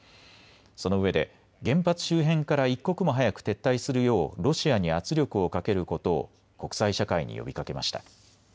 そのうえで原発周辺から一刻も早く撤退するようロシアに圧力をかけることを国際社会に呼びかけました。